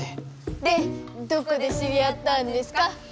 でどこで知り合ったんですか？